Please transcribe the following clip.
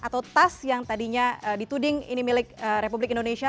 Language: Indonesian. atau tas yang tadinya dituding ini milik republik indonesia